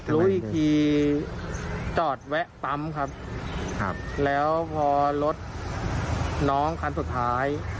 รู้อีกทีจอดแวะปั๊มครับแล้วพอรถน้องคันสุดท้าย